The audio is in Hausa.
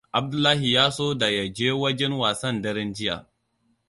Abdullahi ya so da ya je wajen wasan daren jiya.